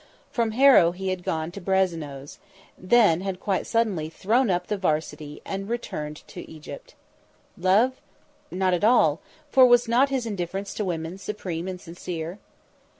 From Harrow he had gone to Brazenose; then had quite suddenly thrown up the 'Varsity and returned to Egypt. Love? Not at all, for was not his indifference to woman supreme and sincere?